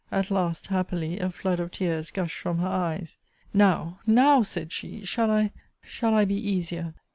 At last, happily, a flood of tears gushed from her eyes Now! Now! said she, shall I shall I be easier.